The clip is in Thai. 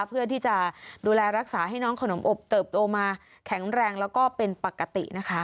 เพื่อที่จะดูแลรักษาให้น้องขนมอบเติบโตมาแข็งแรงแล้วก็เป็นปกตินะคะ